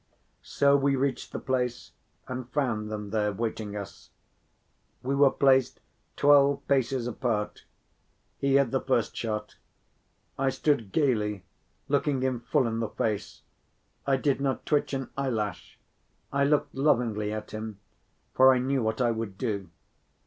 So we reached the place and found them there, waiting us. We were placed twelve paces apart; he had the first shot. I stood gayly, looking him full in the face; I did not twitch an eyelash, I looked lovingly at him, for I knew what I would do.